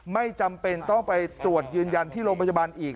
ไม่จำเป็นต้องไปตรวจยืนยันที่โรงพยาบาลอีก